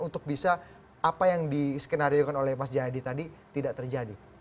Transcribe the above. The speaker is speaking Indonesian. untuk bisa apa yang diskenariokan oleh mas jayadi tadi tidak terjadi